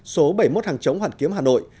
số bảy mươi một hàng chống hoàn kiếm hà nội